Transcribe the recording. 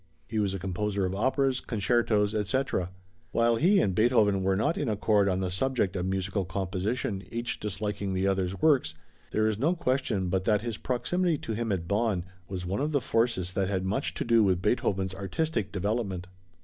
He was a composer of operas, concertos, etc. While he and Beethoven were not in accord on the subject of musical composition, each disliking the other's works, there is no question but that his proximity to him at Bonn, was one of the forces that had much to do with Beethoven's artistic development.